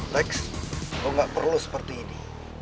lex lo gak perlu seperti ini